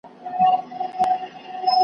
خپلو هغو افغانانو ته د هدایت دعا کوم .